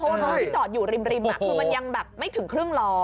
เพราะว่ารถที่จอดอยู่ริมคือมันยังแบบไม่ถึงครึ่งล้อ